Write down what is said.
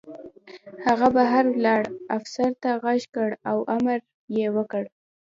هغه بهر ولاړ افسر ته غږ کړ او امر یې وکړ